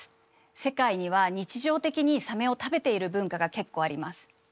世界には日常的にサメを食べている文化が結構あります。